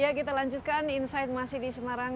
ya kita lanjutkan insight masih di semarang